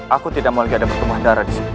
aku tidak mau lagi ada pertemuan darah disini